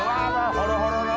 ほろほろろ。